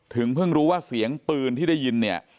เพิ่งรู้ว่าเสียงปืนที่ได้ยินเนี่ย